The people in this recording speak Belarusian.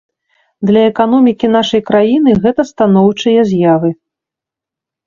Для эканомікі нашай краіны гэта станоўчыя з'явы.